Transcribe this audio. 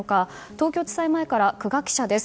東京地裁前から空閑記者です。